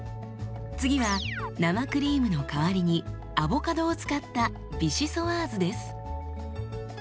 次は生クリームの代わりにアボカドを使ったビシソワーズです。